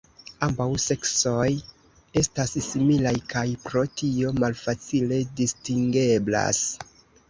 Ambaŭ seksoj estas similaj kaj pro tio malfacile distingeblas.